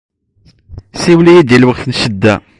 Siwel-iyi-d di lweqt n ccedda.